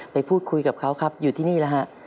ไปพูดคุยกับเขาครับอยู่ที่นี่แล้วฮะ